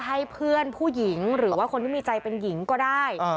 ให้เพื่อนผู้หญิงหรือว่าคนที่มีใจเป็นหญิงก็ได้